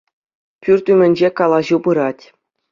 Пӳрт ӳмӗнче калаҫу пырать.